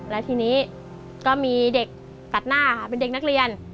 แล้วทีนี้ก็มีเด็กตัดหน้าค่ะเป็นเด็กนักเรียน